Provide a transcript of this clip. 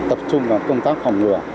tập trung vào công tác phòng ngừa